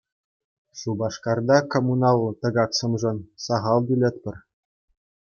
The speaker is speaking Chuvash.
Шупашкарта коммуналлӑ тӑкаксемшӗн сахал тӳлетпӗр.